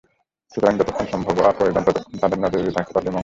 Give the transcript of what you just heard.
সুতরাং যতক্ষণ সম্ভববা প্রয়োজন, ততক্ষণ তাদের নজর এড়িয়ে থাকতে পারলেই মঙ্গল।